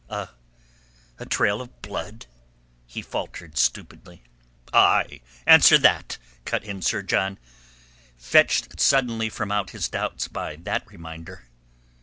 "A... a trail of blood?" he faltered stupidly. "Aye, answer that!" cut in Sir John, fetched suddenly from out his doubts by that reminder.